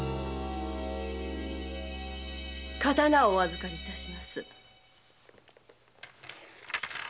刀をお預かりいたします。